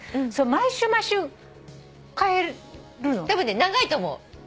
たぶん長いと思う。